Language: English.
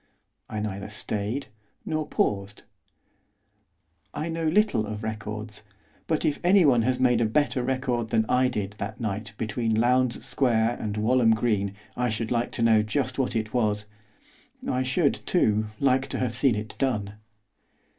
I neither stayed nor paused. I knew little of records, but if anyone has made a better record than I did that night between Lowndes Square and Walham Green I should like to know just what it was, I should, too, like to have seen it done.